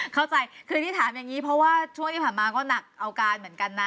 เข้าใจคือที่ถามอย่างนี้เพราะว่าช่วงที่ผ่านมาก็หนักเอาการเหมือนกันนะ